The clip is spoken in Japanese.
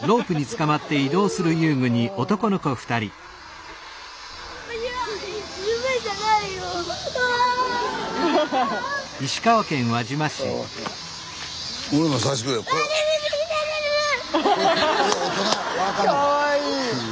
かわいい！